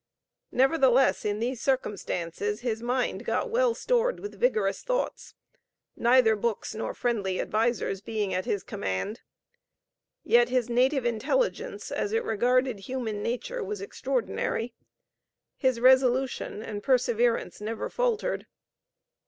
Nevertheless in these circumstances his mind got well stored with vigorous thoughts neither books nor friendly advisers being at his command. Yet his native intelligence as it regarded human nature, was extraordinary. His resolution and perseverance never faltered.